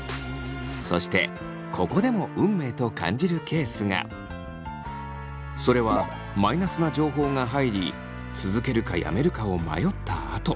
そしてここでも運命と感じるケースがそれはマイナスな情報が入り続けるかやめるかを迷ったあと。